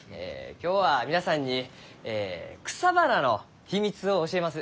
今日は皆さんに草花の秘密を教えます。